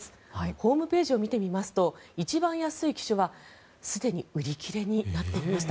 ホームページを見てみますと一番安い機種はすでに売り切れになっていました。